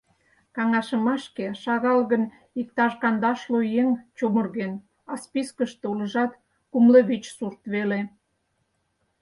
Каҥашымашке шагал гын, иктаж кандашлу еҥ чумырген, а спискыште улыжат кумло вич сурт веле.